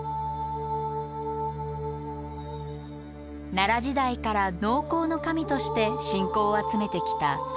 奈良時代から農耕の神として信仰を集めてきた